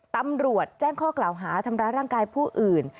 ตำรวจแจ้งข้อกล่าวหาทำร้ายร่างกายผู้อื่น